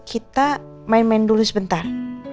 kita main main dulu sebentar